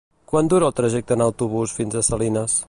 Quant dura el trajecte en autobús fins a Salines?